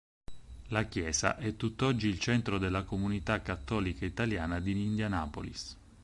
La chiesa è tutt'oggi il centro della comunità cattolica italiana di Indianapolis.